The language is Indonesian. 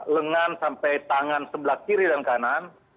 lengan sampai tangan sebelah kiri dan kanan